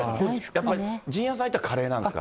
やっぱり陣屋さん行ったらカレーなんですか。